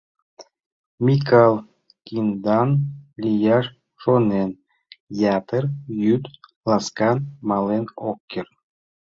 Микал, киндан лияш шонен, ятыр йӱд ласкан мален ок керт.